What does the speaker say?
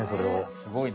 すごいね。